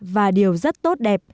và điều rất tốt đẹp